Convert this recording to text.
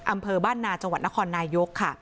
อำเภอบ้านนาจังหวัดนครนายกค่ะ